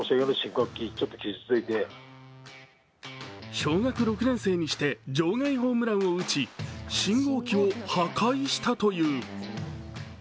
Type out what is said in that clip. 小学６年生にして場外ホームランを打ち信号機を破壊したという。